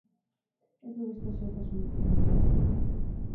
Ez du beste xehetasunik eman.